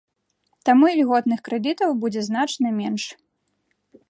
Таму ільготных крэдытаў будзе значна менш.